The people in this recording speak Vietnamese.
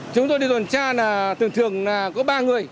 chúng tôi đi tuần tra là thường thường là có ba người